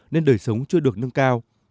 nên đời sống chưa được nâng cao